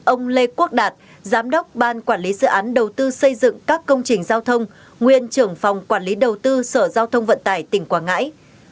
bảy ông lê quốc đạt giám đốc ban quản lý dự án đầu tư xây dựng các công trình giao thông nguyên trưởng phòng quản lý đầu tư sở giao thông vận tải tỉnh quảng ngãi